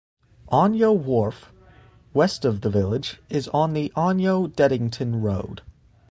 Aynho Wharf, west of the village, is on the Aynho - Deddington road.